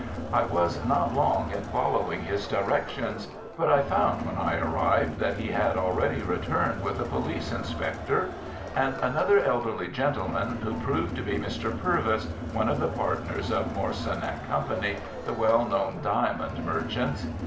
I was not long in following his directions, but I found when I arrived that he had already returned with a police inspector, and another elderly gentleman, who proved to be Mr. Purvis, one of the partners of Morson and Company, the well known diamond merchants.